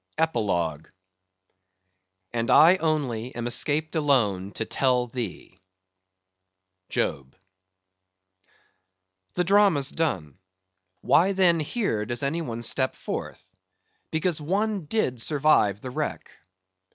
Epilogue "AND I ONLY AM ESCAPED ALONE TO TELL THEE" Job. The drama's done. Why then here does any one step forth?—Because one did survive the wreck.